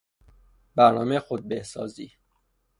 برنامهی خود بهسازی